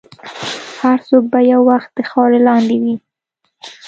هر څوک به یو وخت د خاورې لاندې وي.